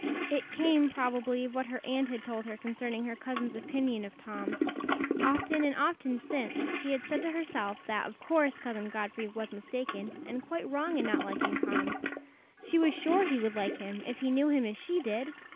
It came, probably, of what her aunt had told her concerning her cousin's opinion of Tom. Often and often since, she had said to herself that, of course, Cousin Godfrey was mistaken and quite wrong in not liking Tom; she was sure he would like him if he knew him as she did!